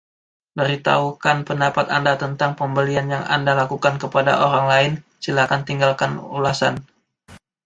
Beritahukan pendapat Anda tentang pembelian yang Anda lakukan kepada orang lain, silakan tinggalkan ulasan.